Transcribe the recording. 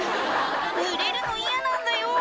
「ぬれるの嫌なんだよ」